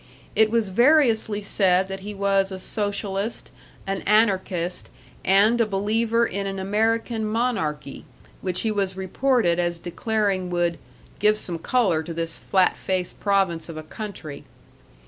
It was variously said that he was a socialist, an anarchist, and a believer in an American monarchy, which he was reported as declaring would "give some color to this flat faced province of a country."